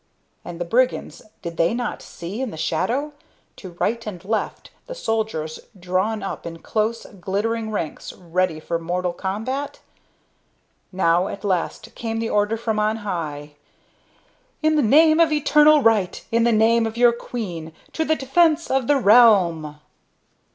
And the brigands, did they not see in the shadow, to right and left, the soldiers drawn up in close, glittering ranks ready for mortal combat...? Now at last came the order from on high: "In the name of eternal right, in the name of your queen, to the defense of the realm!"